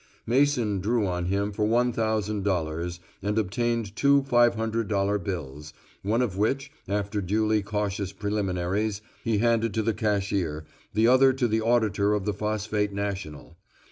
Mason drew on him for one thousand dollars, and obtained two five hundred dollar bills, one of which, after duly cautious preliminaries, he handed to the cashier, the other to the auditor of the Phosphate National.